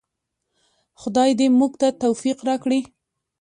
خدای دې موږ ته توفیق راکړي؟